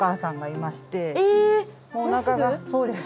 そうです。